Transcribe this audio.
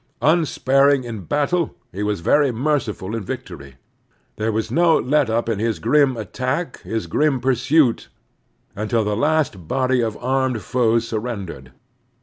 Unsparing in battle, he was very merci ftil in victory. There was no let up in his grim attack, his grim pursuit, xmtil the last body of armed foes surrendered.